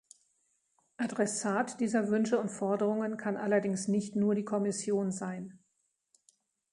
Adressat dieser Wünsche und Forderungen kann allerdings nicht nur die Kommission sein.